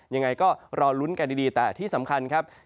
ยังไงก็รอลุ้นกันดีแต่ที่สำคัญครับ